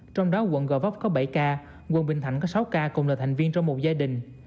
trong đó quận gò vấp có bảy ca quận bình thạnh có sáu ca cùng là thành viên trong một gia đình